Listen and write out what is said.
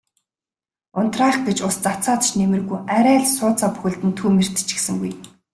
Унтраах гэж ус цацаад ч нэмэргүй арай л сууцаа бүхэлд нь түймэрдчихсэнгүй.